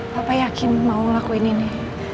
papa yakin mau ngelakuin ini